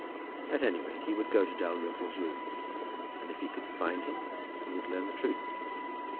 At any rate, he would go to Dalrymple's rooms, and if he could find him, would learn the truth.